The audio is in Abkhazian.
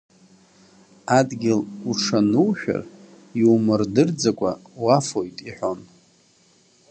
Адгьыл уҽанушәар иумырдырӡакәа уафоит иҳәон.